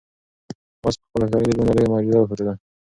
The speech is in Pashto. آس په خپله هوښیارۍ د ژوند یوه لویه معجزه وښودله.